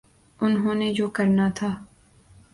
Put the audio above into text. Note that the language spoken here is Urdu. انہوں نے جو کرنا تھا۔